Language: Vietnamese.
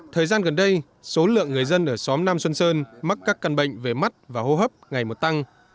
thời gian gần đây số lượng người dân ở xóm nam xuân sơn mắc các căn bệnh về mắt và hô hấp ngày một tăng